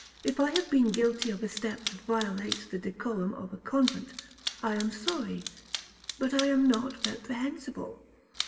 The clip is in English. If I have been guilty of a step that violates the decorum of a convent, I am sorry,—but I am not reprehensible.